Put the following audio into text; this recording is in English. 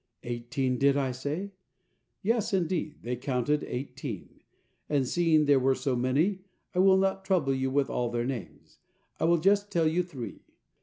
Eighteen, did I say? Yes, indeed, they counted eighteen; and seeing there were so many, I will not trouble you with all their names. I will just tell you three.